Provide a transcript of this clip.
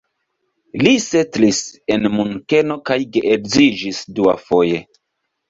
Li setlis en Munkeno kaj geedziĝis duafoje.